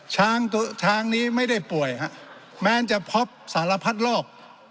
ช้างตัวช้างนี้ไม่ได้ป่วยฮะแม้จะพบสารพัดโรค